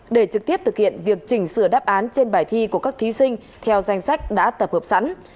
để trực tiếp thực hiện việc chỉnh sửa đáp án trên bài thi của các thí sinh theo danh sách đã tập hợp sẵn